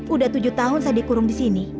udah tujuh tahun saya dikurung di sini